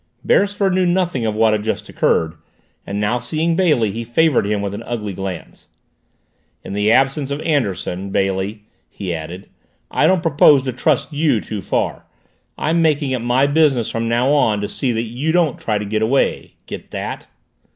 Beresford knew nothing of what had just occurred, and now seeing Bailey he favored him with an ugly glance. "In the absence of Anderson, Bailey," he added, "I don't propose to trust you too far. I'm making it my business from now on to see that you don't try to get away. Get that?"